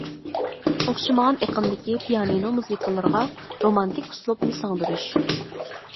ئوخشىمىغان ئېقىمدىكى پىيانىنو مۇزىكىلىرىغا رومانتىك ئۇسلۇبنى سىڭدۈرۈش.